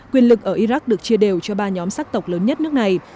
quyền lực ở iraq được chia đều cho ba nhóm sắc tộc lớn nhất nước này